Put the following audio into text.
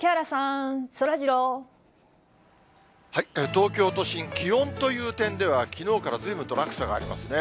東京都心、気温という点では、きのうからずいぶんと落差がありますね。